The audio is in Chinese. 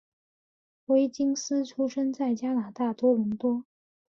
威金斯出生在加拿大多伦多。